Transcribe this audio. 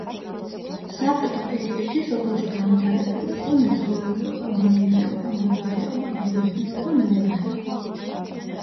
საბჭოთა პერიოდში სოფელში განვითარებული იყო მეცხოველეობა, მემინდვრეობა, მებაღეობა, მებოსტნეობა, მევენახეობა.